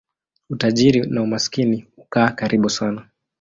Utajiri na umaskini hukaa karibu sana.